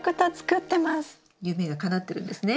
夢がかなってるんですね。